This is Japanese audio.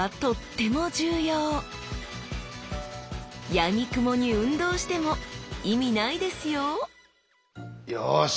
やみくもに運動しても意味ないですよよし！